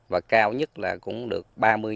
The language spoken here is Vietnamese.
và cao nhất là cũng được ba mươi